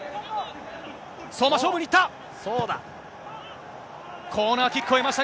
相馬、勝負にいった。